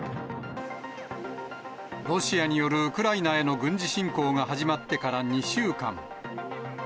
ロシアによるウクライナへの軍事侵攻が始まってから２週間。